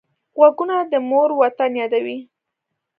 غوږونه د مور وطن یادوي